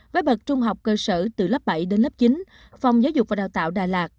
với bậc trung học cơ sở từ lớp bảy đến lớp chín phòng giáo dục và đào tạo đà lạt